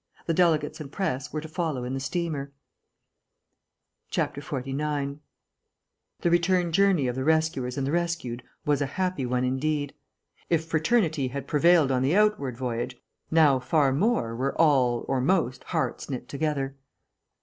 The delegates and press were to follow in the steamer. 49 The return journey of the rescuers and the rescued was a happy one indeed. If fraternity had prevailed on the outward voyage, now far more were all (or most) hearts knit together.